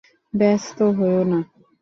ব্যস্ত হোয়ো না।